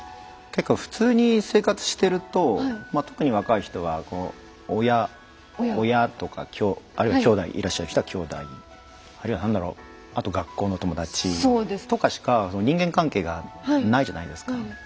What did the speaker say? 結構普通に生活してるとまあ特に若い人はこう親親とかあるいは兄弟いらっしゃる人は兄弟あるいは何だろうあと学校の友達。とかしか人間関係がないじゃないですか。